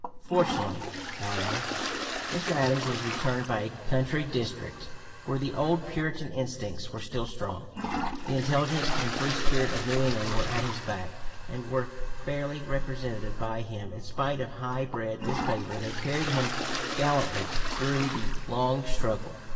Fortunately, however, Mr. Adams was returned by a country district where the old Puritan instincts (p. 247) were still strong. The intelligence and free spirit of New England were at his back, and were fairly represented by him; in spite of high bred disfavor they carried him gallantly through the long struggle.